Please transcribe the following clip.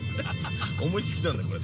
◆思いつきなんだ、これ。